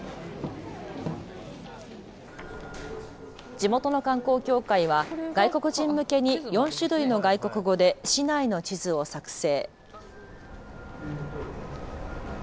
地元の観光協会は外国人向けに４種類の外国語で市内の地図を作成。